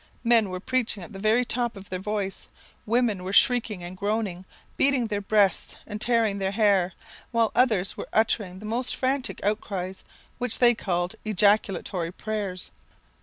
Men were preaching at the very top of their voice; women were shrieking and groaning, beating their breasts and tearing their hair, while others were uttering the most frantic outcries, which they called ejaculatory prayers.